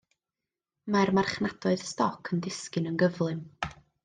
Mae'r marchnadoedd stoc yn disgyn yn gyflym.